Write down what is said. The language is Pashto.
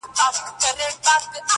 تر وراره دي لا په سل چنده ظالم دئ.!